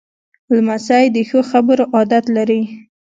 لمسی د ښو خبرو عادت لري.